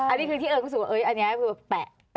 อันนี้คือที่เอิ้งรู้สึกว่าเอ๊ยอันนี้แปะจุดไหนละ